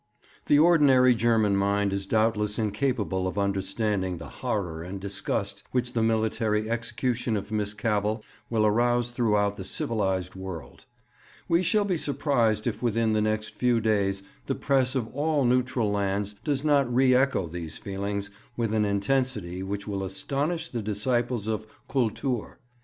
_ 'The ordinary German mind is doubtless incapable of understanding the "horror and disgust" which the military execution of Miss Cavell will arouse throughout the civilized world. We shall be surprised if within the next few days the press of all neutral lands does not re echo these feelings with an intensity which will astonish the disciples of "Kultur."